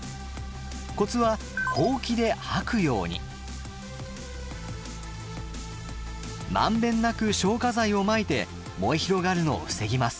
コツはまんべんなく消火剤をまいて燃え広がるのを防ぎます。